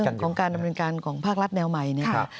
ของการดำเนินการของภาครัฐแนวใหม่นะครับ